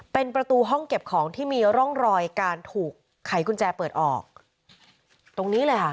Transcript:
เป็นประตูห้องเก็บของที่มีร่องรอยการถูกไขกุญแจเปิดออกตรงนี้เลยค่ะ